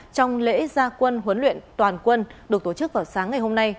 trong lễ gia quân huấn luyện toàn quân được tổ chức vào sáng ngày hôm nay